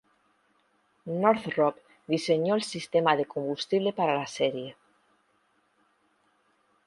Northrop diseñó el sistema de combustible para la serie.